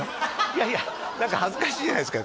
いやいや何か恥ずかしいじゃないですか